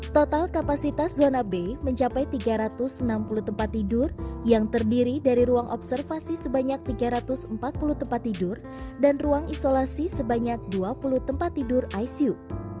total kapasitas zona b mencapai tiga ratus enam puluh tempat tidur yang terdiri dari ruang observasi sebanyak tiga ratus empat puluh tempat tidur dan ruang isolasi sebanyak dua puluh tempat tidur icu